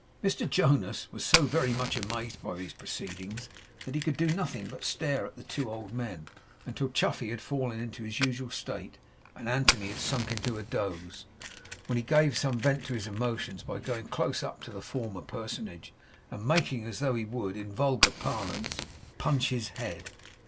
Mr Jonas was so very much amazed by these proceedings that he could do nothing but stare at the two old men, until Chuffey had fallen into his usual state, and Anthony had sunk into a doze; when he gave some vent to his emotions by going close up to the former personage, and making as though he would, in vulgar parlance, 'punch his head.